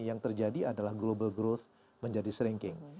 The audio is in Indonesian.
yang terjadi adalah global growth menjadi strenking